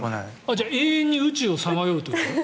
じゃあ永遠に宇宙をさまようってこと？